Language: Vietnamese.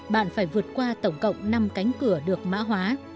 bạn phải vượt qua tổng cộng năm cánh cửa được mã hóa